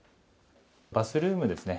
バスルームですね。